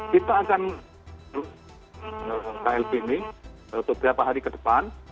kita akan klb ini beberapa hari ke depan